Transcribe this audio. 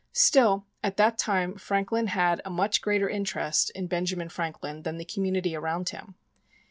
Still, at that time Franklin had a much greater interest in Benjamin Franklin than in the community around him.